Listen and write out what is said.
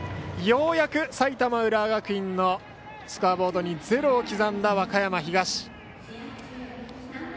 ようやく埼玉、浦和学院のスコアボードにゼロを刻んだ和歌山東。